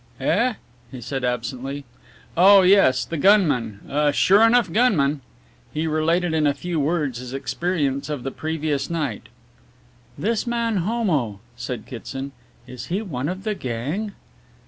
"Eh?" he said absently, "oh yes, the gunman a sure enough gunman." He related in a few words his experience of the previous night. "This man Homo," said Kitson, "is he one of the gang?"